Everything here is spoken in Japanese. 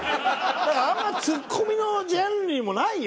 だからあんまりツッコミのジャンルにもないよね。